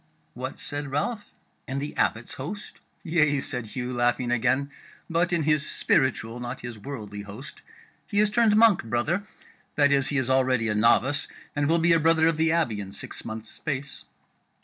"What," said Ralph, "in the Abbot's host?" "Yea," said Hugh, laughing again, "but in his spiritual, not his worldly host: he is turned monk, brother; that is, he is already a novice, and will be a brother of the Abbey in six months' space."